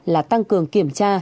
là tăng cường kiểm tra